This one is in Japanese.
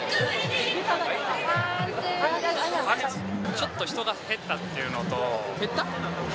ちょっと人が減ったというのと。